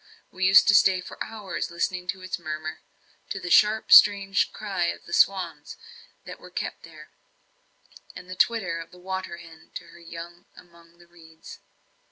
We used to stay for hours listening to its murmur, to the sharp, strange cry of the swans that were kept there, and the twitter of the water hen to her young among the reeds.